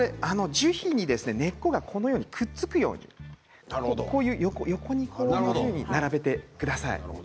樹皮に根っこがこのようにくっつくように横に並べてください。